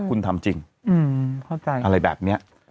คุณทำจริงอะไรแบบนี้